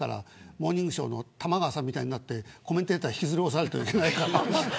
モーニングショーの玉川さんみたいになってコメンテーター、引きずり降ろされるといけないから。